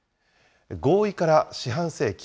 合意から四半世紀。